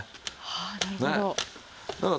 ああなるほど。